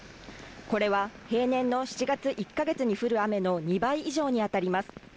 これは平年の７月１カ月に降る雨の２倍以上に当たります。